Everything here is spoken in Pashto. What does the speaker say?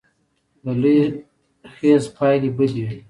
د لوی خیز پایلې بدې وې.